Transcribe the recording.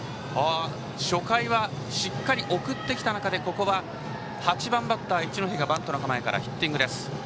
初回はしっかり送ってきた中でここは８番バッター一ノ戸がバントの構えからヒッティングです。